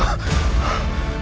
jangan sakiti purbaya